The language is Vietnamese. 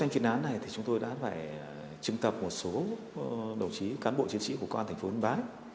chúng tôi đã trưng tập một số đồng chí cán bộ chiến sĩ của công an tp vân bái